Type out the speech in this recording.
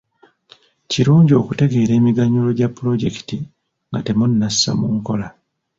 Kirungi okutegeera emiganyulo gya pulojekiti nga temunnassa mu nkola